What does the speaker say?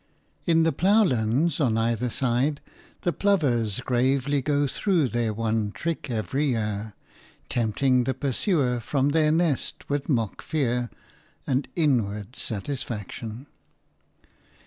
In the ploughlands on either side the plovers gravely go through their one trick every year, tempting the pursuer from their nest with mock fear and inward satisfaction.